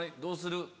どうする？